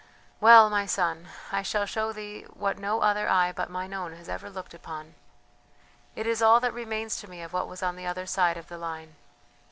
Well, my son, I shall show thee what no other eye but mine own has ever looked upon; it is all that remains to me of what was on the other side of the line...."